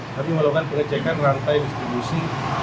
hari ini melakukan pengecekan rantai distribusi